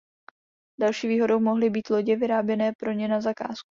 Další výhodou mohly být lodě vyráběné pro ně na zakázku.